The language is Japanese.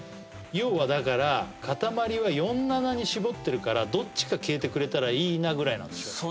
要はだからかたまりは４７に絞ってるからどっちか消えてくれたらいいなぐらいなんですよ